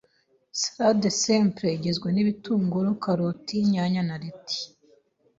Salade Simple Igizwe n’igitunguru, karoti, inyanya, na Leti